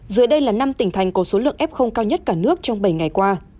dưới đây là năm tỉnh thành có số lượng f cao nhất cả nước trong bảy ngày qua